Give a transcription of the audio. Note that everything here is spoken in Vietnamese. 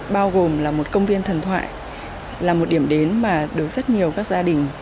bao gồm là một công viên thần thoại là một điểm đến mà được rất nhiều các gia đình